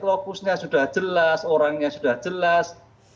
lokusnya sudah jelas orangnya sudah jelas